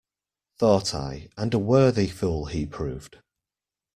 Thought I, and a worthy fool he proved.